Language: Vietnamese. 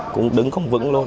cũng đứng không vững luôn